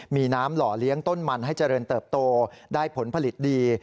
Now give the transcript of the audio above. มีน้ำหล่อเลี้ยงต้นมันให้เจริญเติบโตได้ผลผลิตดี